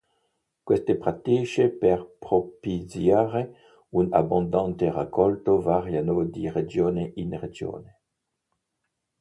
Queste pratiche per propiziare un abbondante raccolto variano di regione in regione.